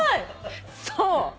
そう。